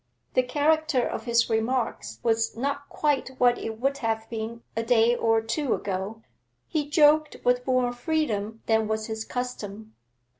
The character of his remarks was not quite what it would have been a day or two ago; he joked with more freedom than was his custom.